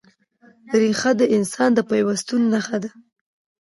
ریښه د انسان د پیوستون نښه ده.